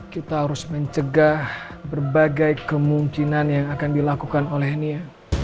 kita harus mencegah berbagai kemungkinan yang akan dilakukan oleh nia